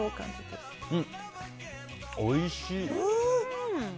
おいしい！